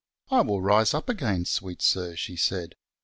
I will rife up again, fweet Sir, fief aid.